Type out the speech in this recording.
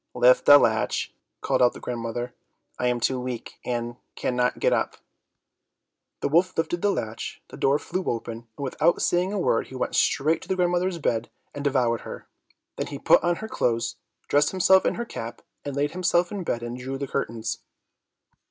"Lift the latch," called out the grandmother, "I am too weak, and cannot get up." The wolf lifted the latch, the door flew open, and without saying a word he went straight to the grandmother's bed, and devoured her. Then he put on her clothes, dressed himself in her cap, laid himself in bed and drew the curtains.